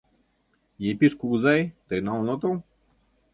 Епиш кугызай, тый налын отыл?